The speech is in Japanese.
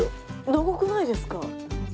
長くないですか？